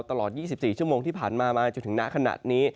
ตลอด๒๔ชั่วโมงที่ผ่านมามาจนถึงณขณะนี้